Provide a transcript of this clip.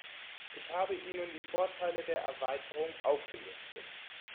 Ich habe Ihnen die Vorteile der Erweiterung aufgelistet.